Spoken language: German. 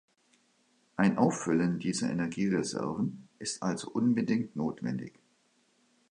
Ein Auffüllen dieser Energiereserven ist also unbedingt notwendig.